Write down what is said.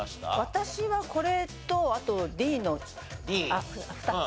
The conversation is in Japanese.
私はこれとあとＤの２つ。